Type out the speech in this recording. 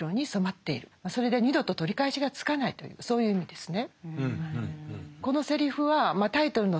それで二度と取り返しがつかないというそういう意味ですね。